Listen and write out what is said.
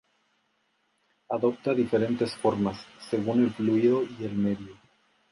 Adopta diferentes formas según el fluido y el medio.